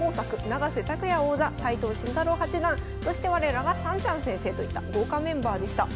永瀬拓矢王座斎藤慎太郎八段そして我らがさんちゃん先生といった豪華メンバーでした。